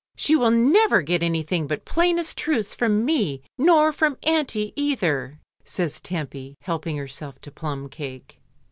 "She will never get anything but plainest truths from me nor from auntie either," says Tempy, help ing herself to plum cake.